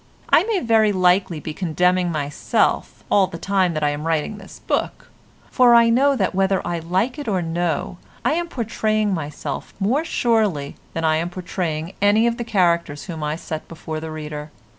I may very likely be condemning myself, all the time that I am writing this book, for I know that whether I like it or no I am portraying myself more surely than I am portraying any of the characters whom I set before the reader.